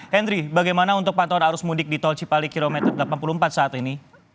henry bagaimana untuk pantauan arus mudik di tol cipali kilometer delapan puluh empat saat ini